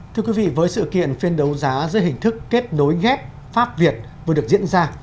thưa quý vị với sự kiện phiên đấu giá giữa hình thức kết nối ghép pháp việt vừa được diễn ra